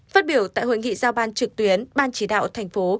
phát biểu tại hội nghị giao ban trực tuyến ban chỉ đạo thành phố